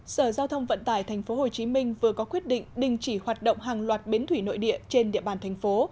sở giao thông vận tải tp hcm vừa có quyết định đình chỉ hoạt động hàng loạt bến thủy nội địa trên địa bàn thành phố